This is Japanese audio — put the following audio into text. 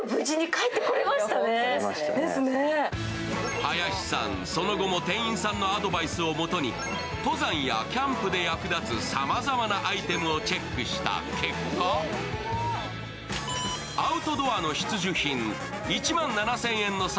林さん、その後も店員さんのアドバイスを元に登山やキャンプで役立つさまざまなアイテムをチェックした結果ではここでちょっとブレーク。